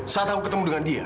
saat aku ketemu dengan dia